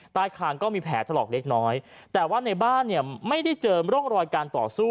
คางก็มีแผลถลอกเล็กน้อยแต่ว่าในบ้านเนี่ยไม่ได้เจอร่องรอยการต่อสู้